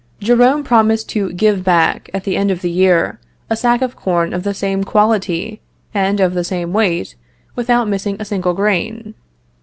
Jerome promised to give back, at the end of the year, a sack of corn of the same quality, and of the same weight, without missing a single grain.